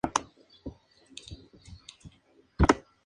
No debe ser confundido con el escritor de ciencia ficción de igual nombre.